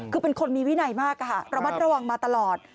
คือเป็นคนมีวินัยมากระมัดระวังมาตลอด